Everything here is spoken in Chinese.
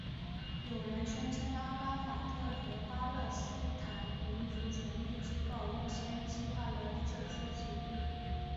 有人宣称阿拉法特和巴勒斯坦民族权力机构预先计划了这次起义。